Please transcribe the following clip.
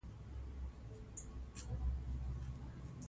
د دوی لیکنې زموږ لپاره درس دی.